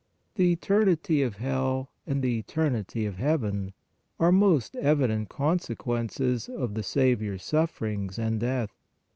The eternity of hell and the eternity of heaven are most evident consequences of the Saviour s sufferings and death.